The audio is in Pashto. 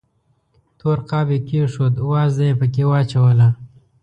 تور قاب یې کېښود، وازده یې پکې واچوله.